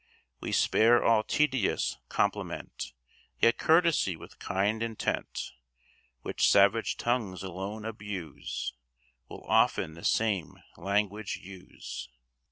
We spare all tedious compliment; Yet courtesy with kind intent, Which savage tongues alone abuse, Will often the same language use.